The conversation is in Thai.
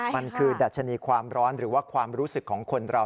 มันคือดัชนีความร้อนหรือว่าความรู้สึกของคนเรา